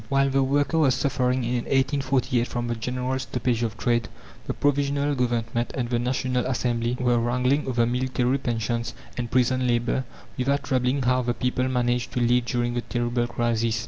While the worker was suffering in 1848 from the general stoppage of trade, the Provisional Government and the National Assembly were wrangling over military pensions and prison labour, without troubling how the people managed to live during the terrible crisis.